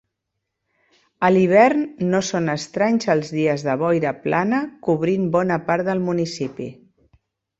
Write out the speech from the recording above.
A l'hivern no són estranys els dies de boira plana cobrint bona part del municipi.